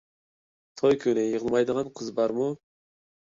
توي كۈنى يىغلىمايدىغان قىز بارمۇ؟